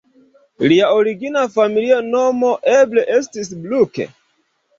Lia origina familia nomo eble estis "Bruck"?